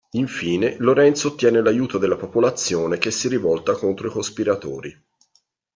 Infine Lorenzo ottiene l'aiuto della popolazione, che si rivolta contro i cospiratori.